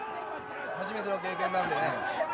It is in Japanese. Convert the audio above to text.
初めての経験なんでね。